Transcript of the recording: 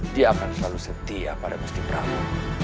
dia akan selalu setia pada gusti prabu